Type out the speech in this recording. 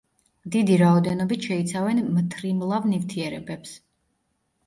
დიდი რაოდენობით შეიცავენ მთრიმლავ ნივთიერებებს.